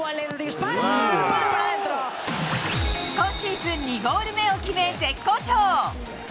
今シーズン２ゴール目を決め、絶好調。